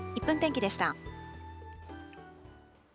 １分天気でした。